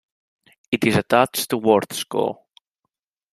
It is attached to Worth School.